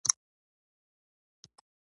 خو د نجلۍ مور او پلار راضي نه شول.